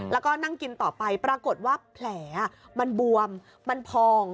แล้วก็นั่งกินต่อไปปรากฏว่าแผลมันบวมมันพอง